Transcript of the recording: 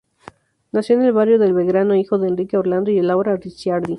Nació en el barrio de Belgrano hijo de Enrique Orlando y Laura Ricciardi.